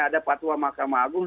ada patuwa mahkamah agung